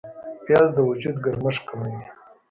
پیاز د وجود ګرمښت کموي